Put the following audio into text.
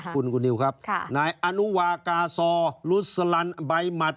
คุณกูนิวครับ